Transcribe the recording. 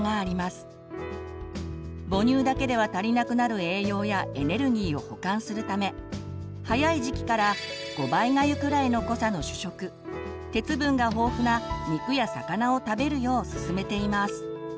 母乳だけでは足りなくなる栄養やエネルギーを補完するため早い時期から５倍がゆくらいの濃さの主食鉄分が豊富な肉や魚を食べるようすすめています。